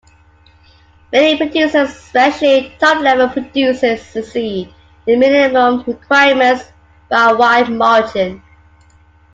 Many producers, especially top-level producers, exceed the minimum requirements by a wide margin.